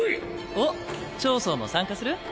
おっ脹相も参加する？